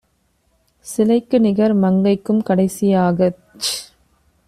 சிலைக்குநிகர் மங்கைக்கும் "கடைசி யாகச்